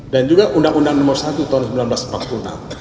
dan juga undang undang nomor satu tahun seribu sembilan ratus empat puluh enam